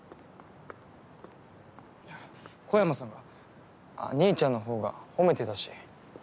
小山さんがあっ兄ちゃんの方が褒めてたし。